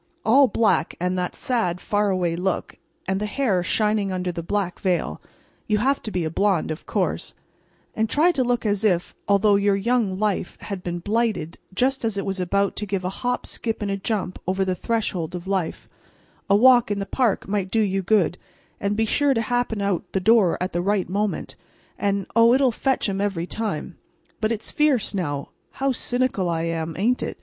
All black, and that sad, faraway look, and the hair shining under the black veil (you have to be a blonde, of course), and try to look as if, although your young life had been blighted just as it was about to give a hop skip and a jump over the threshold of life, a walk in the park might do you good, and be sure to happen out the door at the right moment, and—oh, it'll fetch 'em every time. But it's fierce, now, how cynical I am, ain't it?